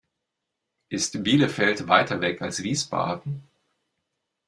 Ist Bielefeld weiter weg als Wiesbaden?